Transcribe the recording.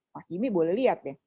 pak jimmy boleh lihat ya